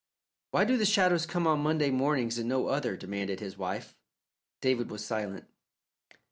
"Why do the shadows come on Monday mornings, and no other?" demanded his wife. David was silent.